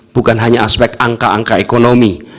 bukan hanya aspek angka angka ekonomi